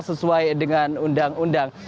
sesuai dengan undang undang